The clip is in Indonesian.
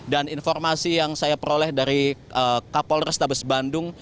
dan informasi yang saya peroleh dari kapol restabes bandung